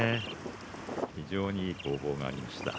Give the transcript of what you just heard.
非常にいい攻防がありました。